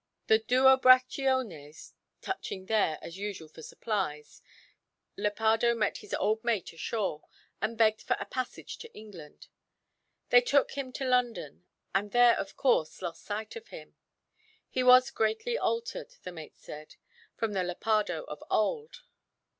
The "Duo Brachiones" touching there, as usual, for supplies, Lepardo met his old mate ashore; and begged for a passage to England. They took him to London, and there of course lost sight of him. He was greatly altered, the mate said, from the Lepardo of old.